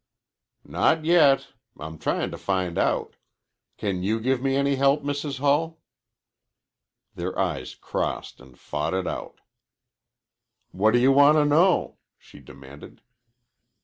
"Not yet. I'm tryin' to find out. Can you give me any help, Mrs. Hull?" Their eyes crossed and fought it out. "What do you want to know?" she demanded.